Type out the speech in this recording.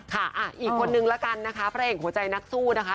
ค่ะอีกคนนึงละกันนะคะพระเอกหัวใจนักสู้นะคะ